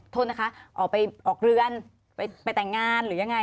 โทษนะคะออกไปออกเรือนไปแต่งงานหรือยังไง